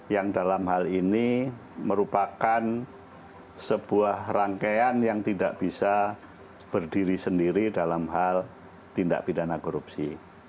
yang dalam hal ini merupakan sebuah rangkaian yang tidak bisa berdiri sendiri dalam hal tindak pidana korupsi